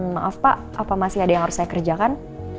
maaf pak apa masih ada yang harus saya kerjakan